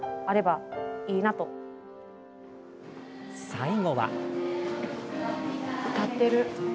最後は。